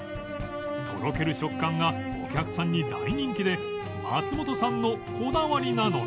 とろける食感がお客さんに大人気で松本さんのこだわりなのだ